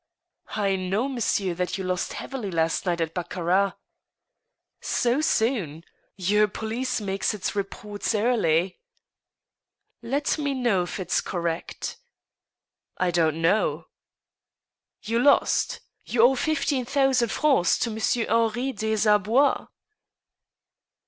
" I know, monsieur, that you lost heavily last night at baccarat." " So soon ? Your police makes its report early." •* Let me know if it is correct." " I don't know." '* You lost ?... you owe fifteen thousand francs to Monsieur Henri des Arbois